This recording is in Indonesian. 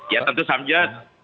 ya tentu saja